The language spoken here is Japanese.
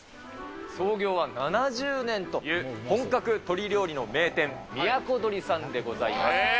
創業は７０年という本格鳥料理の名店、都鳥さんでございます。